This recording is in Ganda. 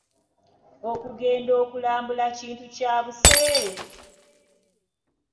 Okugenda okulambala kintu kya buseere.